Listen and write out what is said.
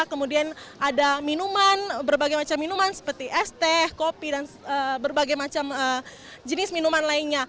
kemudian ada minuman berbagai macam minuman seperti es teh kopi dan berbagai macam jenis minuman lainnya